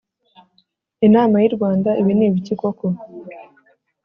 Inama y'irwanda ibinibiki koko